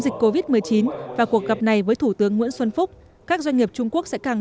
dịch covid một mươi chín và cuộc gặp này với thủ tướng nguyễn xuân phúc các doanh nghiệp trung quốc sẽ càng